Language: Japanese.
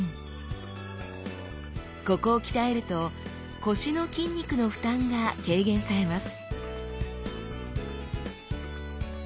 ここを鍛えると腰の筋肉の負担が軽減されます